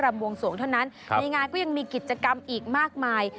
บวงสวงเท่านั้นในงานก็ยังมีกิจกรรมอีกมากมาย